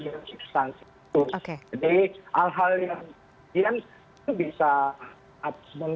jadi hal hal yang bisa